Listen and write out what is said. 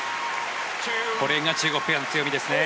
これが中国ペアの強みですね。